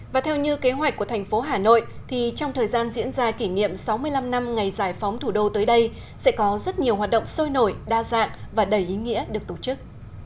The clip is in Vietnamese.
và theo như kế hoạch của thành phố hà nội thì trong thời gian diễn ra kỷ niệm sáu mươi năm năm ngày giải phóng thủ đô tới đây sẽ có rất nhiều hoạt động sôi nổi đa dạng và đầy ý nghĩa được tổ chức